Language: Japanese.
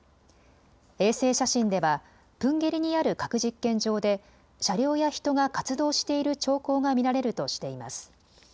衛星写真ではプンゲリにある核実験場で車両や人が活動している兆候が見られるとしています。